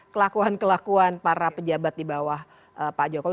kelakuan kelakuan para pejabat di bawah pak jokowi